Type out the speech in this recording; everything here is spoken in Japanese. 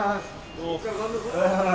お疲れさまです。